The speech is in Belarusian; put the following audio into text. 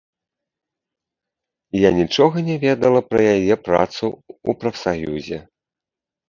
Я нічога не ведала пра яе працу ў прафсаюзе.